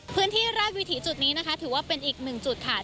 พื้นที่ราชวิถีจุดนี้นะคะถือว่าเป็นอีกหนึ่งจุดค่ะ